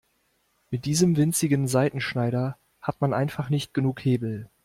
Mit diesem winzigen Seitenschneider hat man einfach nicht genug Hebel.